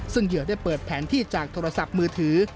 ซึ่งเหยื่อได้เปิดแผนที่จากโทรศัพท์มือถือ